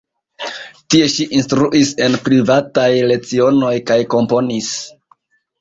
Tie ŝi instruis en privataj lecionoj kaj komponis.